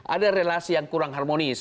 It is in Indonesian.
ada relasi yang kurang harmonis